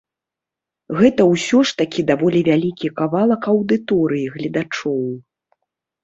Гэта ўсё ж такі даволі вялікі кавалак аўдыторыі гледачоў.